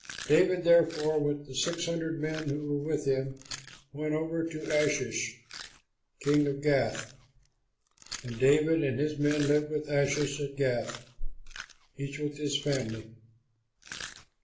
David, therefore, with the six hundred men who were with him went over to Achish, king of Gath. And David and his men lived with Achish at Gath, each with his family.